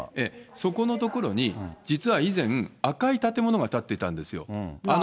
そこの所に、実は以前、赤い建物が立っていたんですよ。